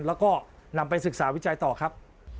แล้วก็นำไปศึกษาวิจัยต่อครับ